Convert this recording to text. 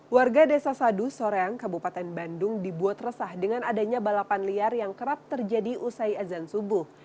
warga desa sadu soreang kabupaten bandung dibuat resah dengan adanya balapan liar yang kerap terjadi usai azan subuh